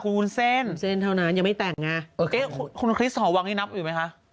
คุณวุนเซนเท่านั้นยังไม่แต่งนะคุณคริสต์หอวังนี่นับอยู่ไหมคะ